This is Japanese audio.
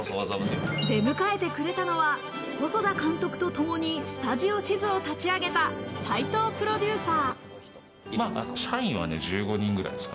出迎えてくれたのは細田監督とともにスタジオ地図を立ち上げた齋藤プロデューサー。